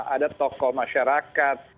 ada tokoh masyarakat